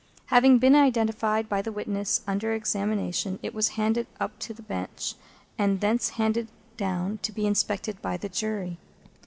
Having been identified by the witness under examination, it was handed up to the Bench, and thence handed down to be inspected by the Jury.